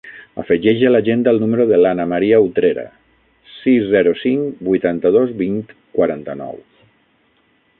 Afegeix a l'agenda el número de l'Ana maria Utrera: sis, zero, cinc, vuitanta-dos, vint, quaranta-nou.